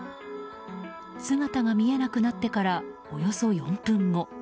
姿が見えなくなってからおよそ４分後。